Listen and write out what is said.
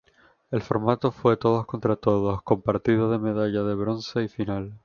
El formato fue todos contra todos, con partido de medalla de bronce y final.